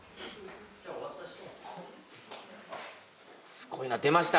すごいな。出ました。